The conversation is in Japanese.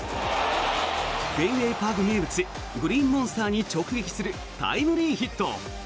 フェンウェイパーク名物グリーンモンスターに直撃するタイムリーヒット。